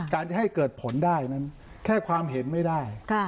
จะให้เกิดผลได้นั้นแค่ความเห็นไม่ได้